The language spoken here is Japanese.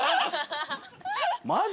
マジ？